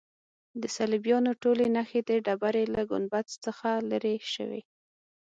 د صلیبیانو ټولې نښې د ډبرې له ګنبد څخه لیرې شوې.